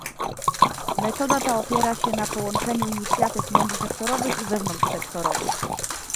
Metoda ta opiera się na połączeniu inicjatyw międzysektorowych i wewnątrzsektorowych